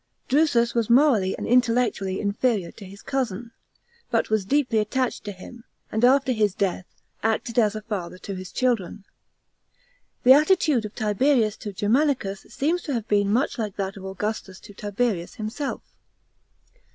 Drusus was morally and intellectually inferior to his cousin, but was deeply attached to him, and after his death, acted as a father to his children. The attitude of Tiberius to Germanicus seems to have been much like that of Augustus to Tiberius himself.